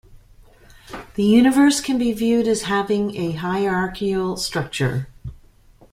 The universe can be viewed as having a hierarchical structure.